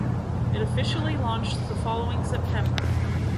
It officially launched the following September.